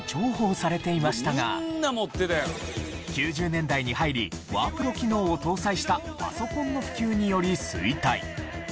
９０年代に入りワープロ機能を搭載したパソコンの普及により衰退。